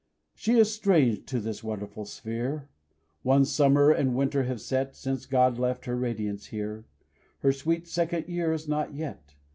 She is strange to this wonderful sphere; One summer and winter have set Since God left her radiance here Her sweet second year is not yet.